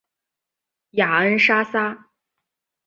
雅恩莎撒。